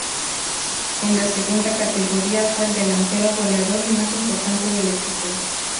En la segunda categoría, fue el delantero goleador y más importante del equipo.